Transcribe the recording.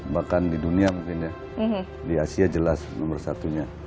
bahkan di dunia mungkin ya di asia jelas nomor satunya